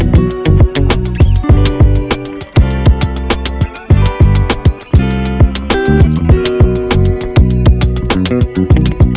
i banq kaga sih enger